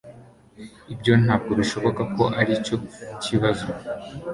Ibyo ntabwo bishoboka ko aricyo kibazo